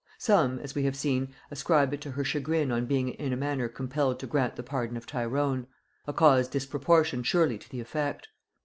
Some, as we have seen, ascribed it to her chagrin on being in a manner compelled to grant the pardon of Tyrone; a cause disproportioned surely to the effect.